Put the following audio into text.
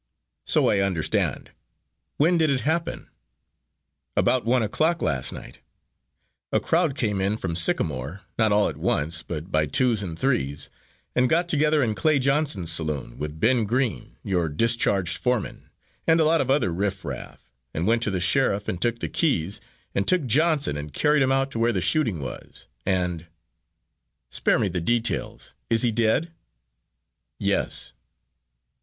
"So I understand. When did it happen?" "About one o'clock last night. A crowd came in from Sycamore not all at once, but by twos and threes, and got together in Clay Johnson's saloon, with Ben Green, your discharged foreman, and a lot of other riffraff, and went to the sheriff, and took the keys, and took Johnson and carried him out to where the shooting was, and " "Spare me the details. He is dead?" "Yes."